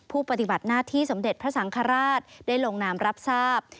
ปฏิบัติหน้าที่สมเด็จพระสังฆราชได้ลงนามรับทราบ